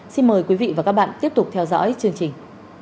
xin mời quý vị và các bạn tiếp tục theo dõi chương trình